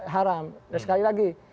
haram dan sekali lagi